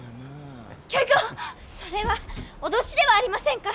それは脅しではありませんか。